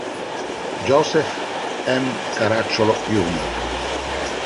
Joseph M. Caracciolo Jr.